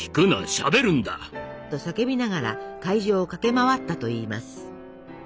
しゃべるんだ！」。と叫びながら会場を駆け回ったといいます。